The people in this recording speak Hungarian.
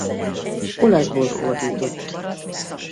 Olaszból fordított.